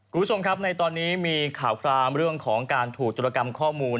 คุณผู้ชมครับในตอนนี้มีข่าวครามเรื่องของการถูกตุรกรรมข้อมูล